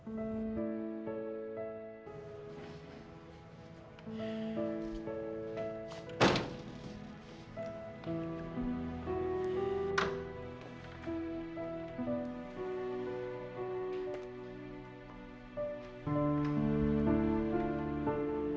cipu kemana ya